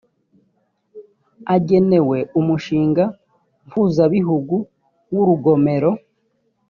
agenewe umushinga mpuzabihugu w urugomero